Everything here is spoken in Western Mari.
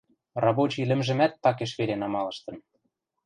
Рабочий лӹмжӹмӓт такеш веле намалыштын.